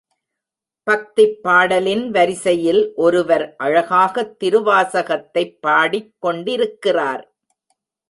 பக்திப் பாடலின் வரிசையில் ஒருவர் அழகாகத் திருவாசகத்தைப் பாடிக் கொண்டிருக்கிறார்.